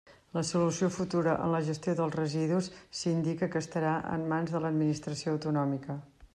La solució futura en la gestió dels residus s'hi indica que estarà en mans de l'administració autonòmica.